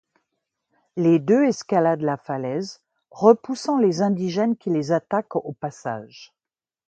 Les deux escaladent la falaise, repoussant les indigènes qui les attaquent au passage.